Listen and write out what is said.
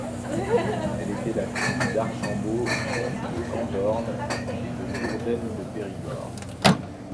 Elle était la fille d'Archambaud, vicomte de Comborn et de Jourdaine de Périgord.